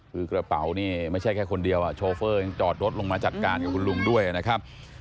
คือกระเป๋านี่ไม่ใช่แค่คนเดียวโชเฟอร์ยังจอดรถลงมาจัดการกับคุณลุงด้วยนะครับ